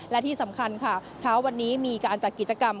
และที่สำคัญค่ะเช้าวันนี้มีการจัดกิจกรรม